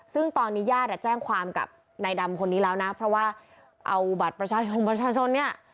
ซึ่งตอนนี้ญาติแจ้งความกับนายดำคนนี้แล้วนะเพราะว่าเอาบัตรประชาชนประชาชนเนี่ย